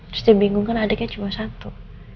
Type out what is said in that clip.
terus dia bingung kan adiknya cuma satu